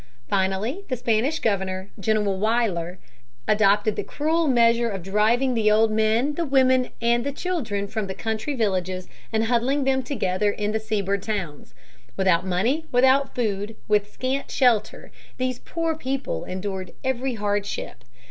Finally the Spanish governor, General Weyler, adopted the cruel measure of driving the old men, the women, and the children from the country villages and huddling them together in the seaboard towns. Without money, without food, with scant shelter, these poor people endured every hardship.